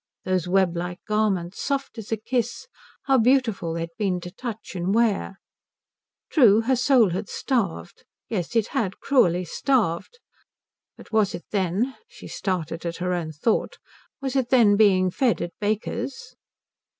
Those web like garments, soft as a kiss, how beautiful they had been to touch and wear. True her soul had starved; yes, it had cruelly starved. But was it then she started at her own thought was it then being fed at Baker's?